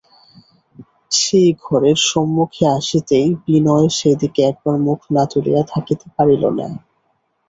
সেই ঘরের সম্মুখে আসিতেই বিনয় সে দিকে একবার মুখ না তুলিয়া থাকিতে পারিল না।